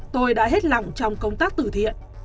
tôi đã hết lòng trong công tác tử thiện